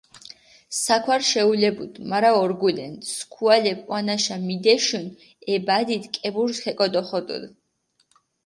საქვარი შეულებუდჷ, მარა ორგულენდჷ, სქუალეფი ჸვანაშა მიდეშჷნი, ე ბადიდი კებურსჷ ქეკოდოხოდჷდჷ.